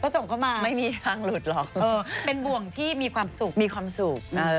เพราะส่งเขามาเป็นบ่วงที่มีความสุขเออไม่มีทางหลุดหรอก